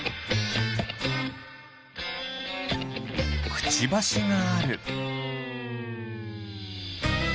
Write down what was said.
くちばしがある。